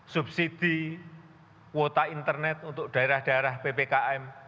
subsidi kuota internet untuk daerah daerah ppkm